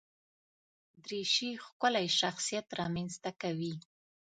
دریشي ښکلی شخصیت رامنځته کوي.